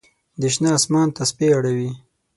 د شنه آسمان تسپې اړوي